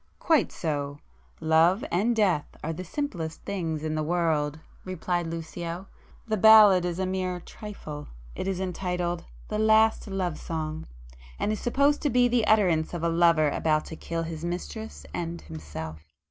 "Quite so. Love and Death are the simplest things in the world"—replied Lucio.—"The ballad is a mere trifle,—it is entitled 'The Last Love Song' and is supposed to be the utterance of a lover about to kill his mistress and himself.